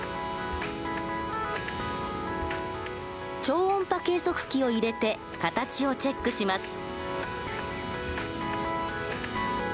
超音波計測器を入れて形をチェックします。